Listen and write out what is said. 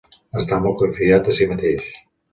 Està molt confiat de si mateix.